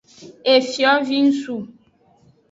Efiovingsu.